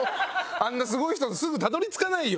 あんなすごい人すぐたどり着かないよ。